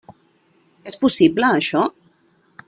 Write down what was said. És possible, això?